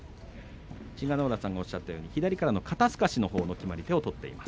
千賀ノ浦さんがおっしゃったように左からの肩すかしの決まり手を取っています。